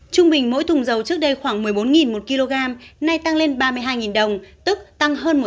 trung bình mỗi thùng dầu trước đây khoảng một mươi bốn một kg nay tăng lên ba mươi hai đồng tức tăng hơn một